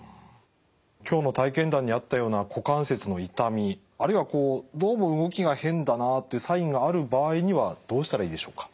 今日の体験談にあったような股関節の痛みあるいはどうも動きが変だなというサインがある場合にはどうしたらいいでしょうか？